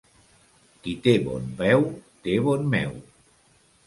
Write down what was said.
Qui té bon peu, té bon meu.